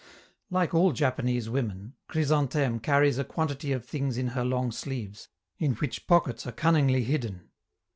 Like all Japanese women, Chrysantheme carries a quantity of things in her long sleeves, in which pockets are cunningly hidden.